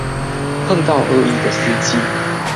碰到惡意的司機